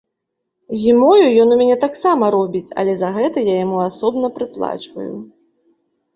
Зімою ён у мяне таксама робіць, але за гэта я яму асобна прыплачваю.